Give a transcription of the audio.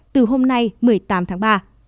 từ hôm nay một mươi tám tháng ba